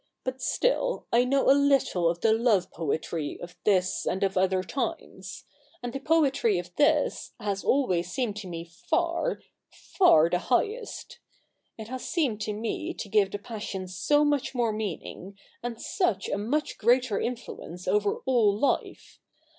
But still I know a little of the love poetry of this and of other times ; and the poetry of this has always seemed to me far — far the highest. It has seemed to me to give the passion so much more meaning, and such a much greater influence over all life.